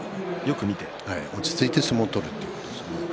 落ち着いて相撲を取るということですよね。